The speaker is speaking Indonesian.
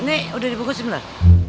nih udah dibuka sih bener